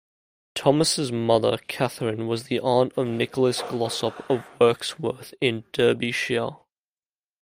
Thomas's mother, Katherine, was the aunt of Nicholas Glossop of Wirksworth in Derbyshire.